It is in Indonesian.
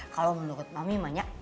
kalau menurut mami